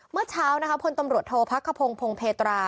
เมื่อเช้านะคะพลตำรวจโทษพักขพงพงเพตรา